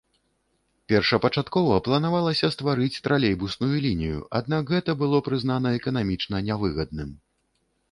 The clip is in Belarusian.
Першапачаткова планавалася стварыць тралейбусную лінію, аднак гэта было прызнана эканамічна нявыгадным.